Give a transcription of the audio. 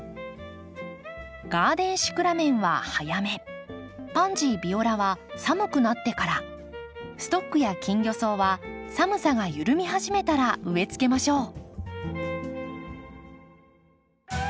ガーデンシクラメンは早めパンジービオラは寒くなってからストックやキンギョソウは寒さが緩み始めたら植えつけましょう。